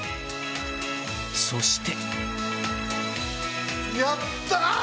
そして。